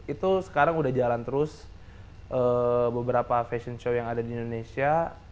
itu sekarang udah jalan terus beberapa fashion show yang ada di indonesia